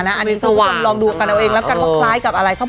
แล้วกันความคล้ายกับอะไร